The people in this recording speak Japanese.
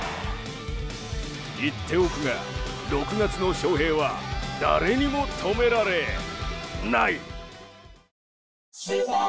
言っておくが、６月の翔平は誰にも止められない！